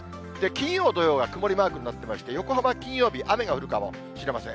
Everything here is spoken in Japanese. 金曜、土曜が曇りマークになってまして、横浜、金曜日、雨が降るかもしれません。